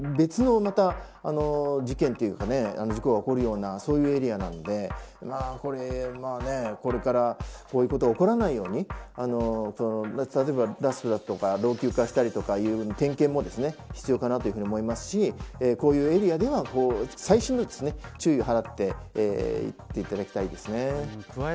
また別の事件というか事故が起こるようなそういうエリアなのでこれは、これからこういうことが起こらないように例えばダクトとか老朽化したりとか点検も必要かなというふうに思いますしこういうエリアでは細心の注意を払っていっていただきたいですね。